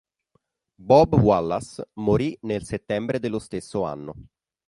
Bob Wallace morì nel settembre dello stesso anno.